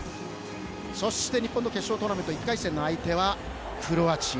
そして、日本の決勝トーナメント１回戦の相手はクロアチア。